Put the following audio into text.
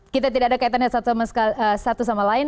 kita tidak ada kaitannya satu sama lain